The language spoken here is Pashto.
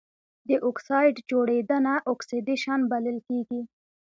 د اکسايډ جوړیدنه اکسیدیشن بلل کیږي.